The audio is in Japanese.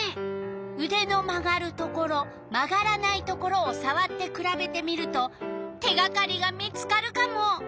うでの曲がるところ曲がらないところをさわってくらべてみると手がかりが見つかるカモ。